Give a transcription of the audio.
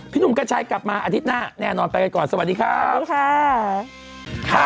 พี่หนุ่มกันชัยกลับมาอาทิตย์หน้าแน่นอนไปกันก่อนสวัสดีครับ